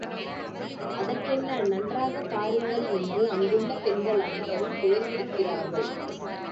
அதற்கென்ன நன்றாகப் பாருங்கள் என்று அங்குள்ள பெண்கள் அனைவரும் குழைந்திருக்கிறார்கள்.